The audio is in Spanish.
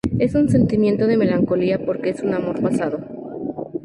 Es un sentimiento de melancolía porque es un amor pasado.